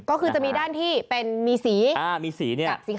ก็คือจะมีด้านที่มีสี